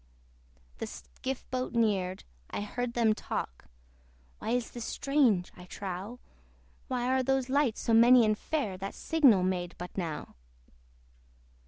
The skiff boat neared: I heard them talk, "Why this is strange, I trow! Where are those lights so many and fair, That signal made but now?"